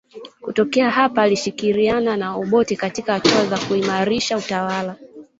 Kutoka hapa alishirikiana na Obote katika hatua za kuimarisha utawala